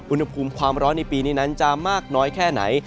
อุณหภูมิความร้อนในปีนี้นั้นจะมากน้อยแค่ไหน